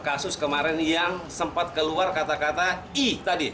kasus kemarin yang sempat keluar kata kata i tadi